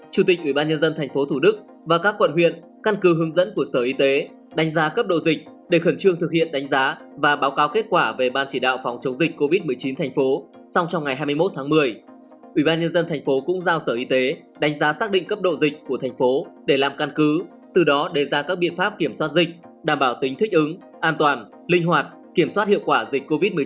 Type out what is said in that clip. chỉ thị số một mươi tám của chủ tịch ủy ban nhân dân thành phố để tham mưu xây dựng kế hoạch của thành phố về triển khai